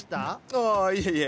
ああいえいえ！